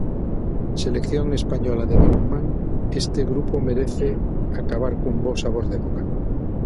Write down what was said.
Selección española de balonmán Este grupo merece acabar cun bo sabor de boca.